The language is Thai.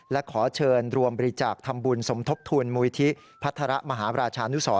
และขอเชิญรวมบริจาคทำบุญสมทบทุนมุยธิพัฒระมหาราชานุสร